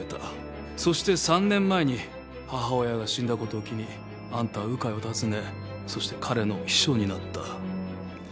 そして３年前に母親が死んだことを機にあんたは鵜飼を訪ねそして彼の秘書になった。